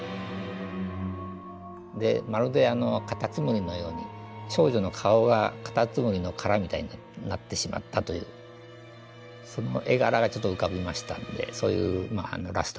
でまるでカタツムリのように少女の顔がカタツムリの殻みたいになってしまったというその絵柄がちょっと浮かびましたのでそういうラストにしましたですね。